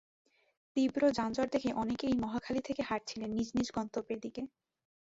তীব্র যানজট দেখে অনেকেই মহাখালী থেকে হাঁটছিলেন নিজ নিজ গন্তব্যের দিকে।